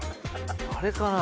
あれかな？